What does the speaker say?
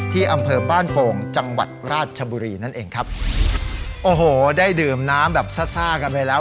อำเภอบ้านโป่งจังหวัดราชบุรีนั่นเองครับโอ้โหได้ดื่มน้ำแบบซ่าซ่ากันไปแล้ว